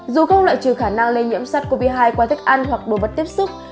dù không loại trừ khả năng lây nhiễm sars cov hai qua thức ăn hoặc đồ vật tiếp xúc